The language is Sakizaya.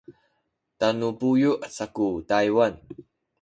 tanu buyu’ saku Taywan